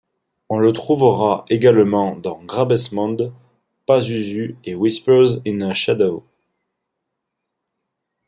On le trouvera également dans Grabesmond, Pazuzu et Whispers in a Shadow.